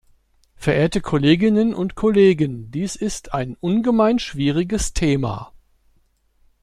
Verehrte Kolleginnen und Kollegen, dies ist ein ungemein schwieriges Thema.